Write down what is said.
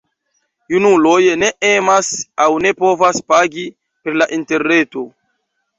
Junuloj ne emas aŭ ne povas pagi per la interreto.